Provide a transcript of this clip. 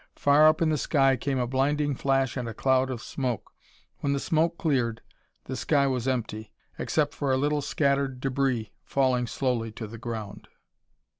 Far up in the sky came a blinding flash and a cloud of smoke. When the smoke cleared the sky was empty, except for a little scattered debris falling slowly to the ground.